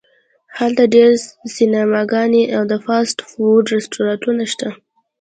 هلته ډیر سینماګانې او د فاسټ فوډ رستورانتونه شته